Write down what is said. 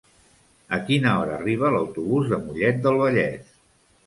A quina hora arriba l'autobús de Mollet del Vallès?